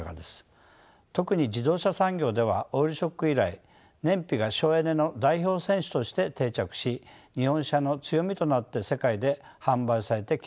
特に自動車産業ではオイルショック以来燃費が省エネの代表選手として定着し日本車の強みとなって世界で販売されてきました。